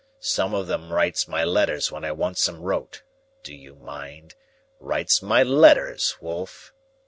Some of 'em writes my letters when I wants 'em wrote,—do you mind?—writes my letters, wolf!